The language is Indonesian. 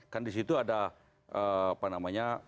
kan disitu ada apa namanya